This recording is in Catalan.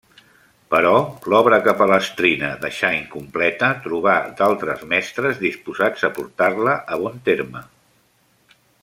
Però l'obra que Palestrina deixà incompleta trobà d'altres mestres disposats a portar-la a bon terme.